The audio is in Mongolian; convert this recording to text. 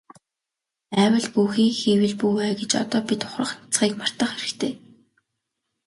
АЙвал бүү хий, хийвэл бүү ай гэж одоо бид ухрах няцахыг мартах хэрэгтэй.